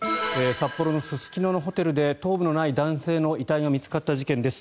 札幌のすすきののホテルで頭部のない男性の遺体が見つかった事件です。